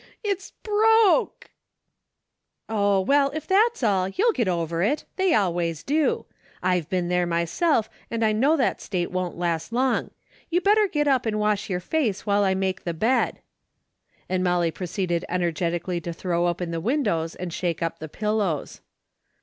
It's broke !"" Oh, well, if that's all, you'll get over it ! They always do ! I've been there myself, and I know that state don't last long. You better get up and wash your face while I make the bed." And Molly proceeded energetically to throw open the windows and shake up the pillows.